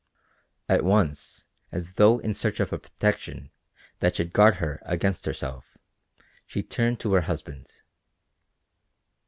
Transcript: At once, as though in search of a protection that should guard her against herself, she turned to her husband.